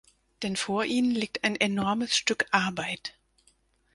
Denn vor Ihnen liegt ein enormes Stück Arbeit.